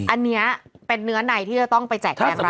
อันเนี้ยเป็นเนื้อในที่จะต้องไปแจกแหล่งรายละเอียด